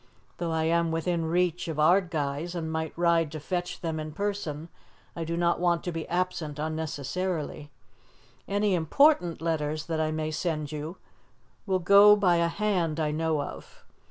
Though I am within reach of Ardguys, and might ride to fetch them in person, I do not want to be absent unnecessarily. Any important letters that I may send you will go by a hand I know of.